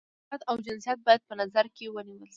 نژاد او جنسیت باید په نظر کې ونه نیول شي.